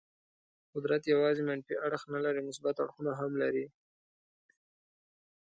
قدرت یوازې منفي اړخ نه لري، مثبت اړخونه هم لري.